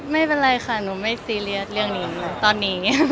ไม่เป็นไรค่ะหนูไม่ซีเรียสเรื่องนี้เลยตอนนี้